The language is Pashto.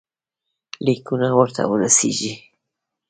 لیکونه ورته ورسیږي.